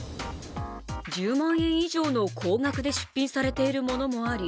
１０万円以上の高額で出品されているものもあり